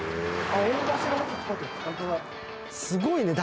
すごいね。